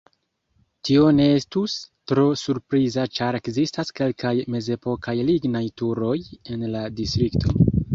Tio ne estus tro surpriza ĉar ekzistas kelkaj mezepokaj lignaj turoj en la distrikto.